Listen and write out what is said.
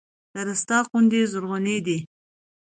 د رستاق غونډۍ زرغونې دي